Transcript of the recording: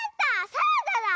サラダだ！